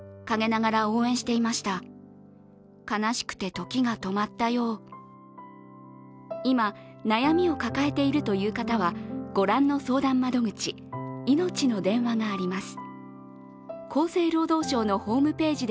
突然の訃報に、芸能界からは今、悩みを抱えているという方はご覧の相談窓口、いのちの電話があります。